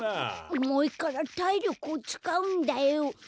おもいからたいりょくをつかうんだよ。